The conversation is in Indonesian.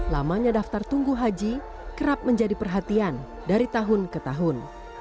lamanya daftar tunggu haji kerap menjadi perhatian dari tahun ke tahun